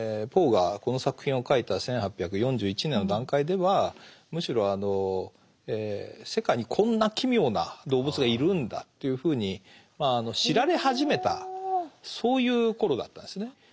ポーがこの作品を書いた１８４１年の段階ではむしろ世界にこんな奇妙な動物がいるんだというふうに知られ始めたそういう頃だったんですね。